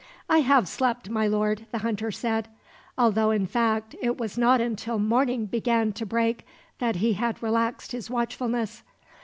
"I have slept, my lord," the hunter said, although in fact it was not until morning began to break that he had relaxed his watchfulness.